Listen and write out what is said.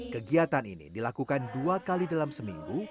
kegiatan ini dilakukan dua kali dalam seminggu